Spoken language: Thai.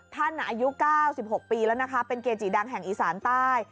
ท่านอายุ๙๖ปีแล้วนะคะเป็นเกจิดังแห่งอีสานใต้